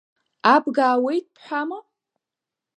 Абга аауеит бҳәама?